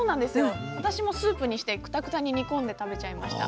私もスープにしてくたくたに煮込んで食べちゃいました。